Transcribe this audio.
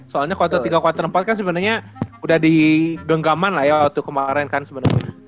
soalnya quarter tiga quarter empat kan sebenernya udah di genggaman lah ya waktu kemaren kan sebenernya